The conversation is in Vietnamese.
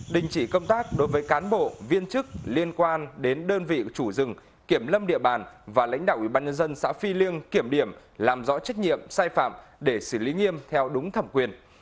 đình chỉ công tác đối với cán bộ viên chức liên quan đến đơn vị chủ rừng kiểm lâm địa bàn và lãnh đạo ubnd xã phi liêng kiểm điểm làm rõ trách nhiệm sai phạm để xử lý nghiêm theo đúng thẩm quyền